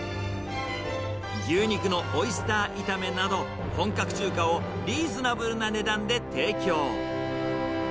牛肉のオイスター炒めなど、本格中華をリーズナブルな値段で提供。